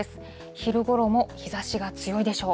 昼ごろも日ざしが強いでしょう。